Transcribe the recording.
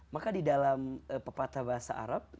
maka di dalam pepatah bahasa arab